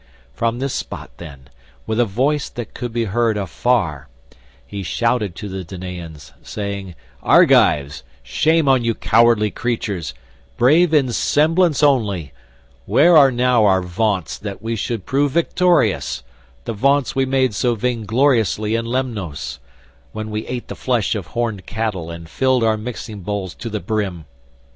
From this spot then, with a voice that could be heard afar, he shouted to the Danaans, saying, "Argives, shame on you cowardly creatures, brave in semblance only; where are now our vaunts that we should prove victorious—the vaunts we made so vaingloriously in Lemnos, when we ate the flesh of horned cattle and filled our mixing bowls to the brim?